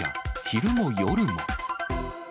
昼も夜も。